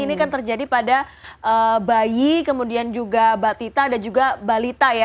ini kan terjadi pada bayi kemudian juga batita dan juga balita ya